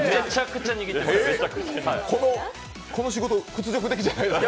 この仕事、屈辱的じゃないですか？